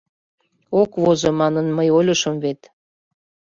— Ок возо, манын мый ойлышым вет.